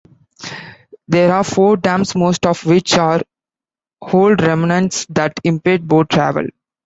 There are four dams, most of which are old remnants, that impede boat travel.